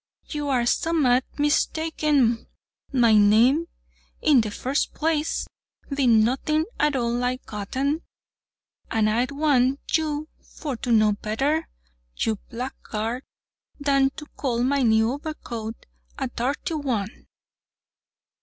you are a sum'mat mistaken—my name, in the first place, bee'nt nothing at all like Goddin, and I'd want you for to know better, you blackguard, than to call my new obercoat a darty one."